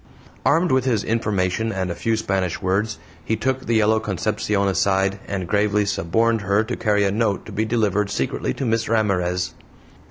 Armed with his information and a few Spanish words, he took the yellow Concepcion aside and gravely suborned her to carry a note to be delivered secretly to Miss Ramirez.